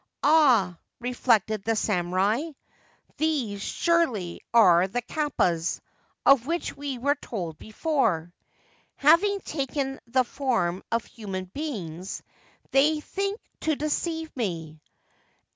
' Ah !' reflected the samurai, ' these, surely, are the kappas, of which we were told before. Having taken the form of human beings, they think to deceive me